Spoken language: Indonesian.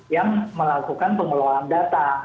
yang melakukan pengelolaan